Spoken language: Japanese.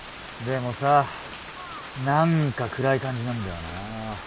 でもさ何か暗い感じなんだよな。